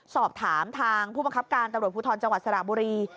สอบถามทางผู้บังคับการตำรวจภูทรจังหวัดสระบุรี